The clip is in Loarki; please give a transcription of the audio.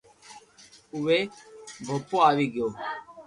اووي ڀوپو آوي گيو